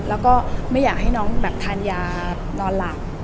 และไม่อยากให้น้องทานยาน้อนหลับ